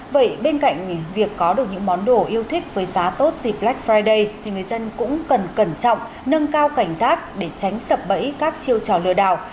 vậy bên cạnh việc có được những món đồ yêu thích với giá tốt dịp black friday thì người dân cũng cần cẩn trọng nâng cao cảnh giác để tránh sập bẫy các chiêu trò lừa đảo